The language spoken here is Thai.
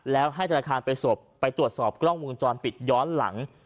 แล้วให้ธนาคารไปตรวจสอบกล้องวงจรปิดย้อนหลัง